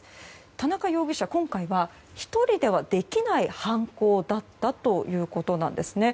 田中容疑者、今回は１人ではできない犯行だったということなんですね。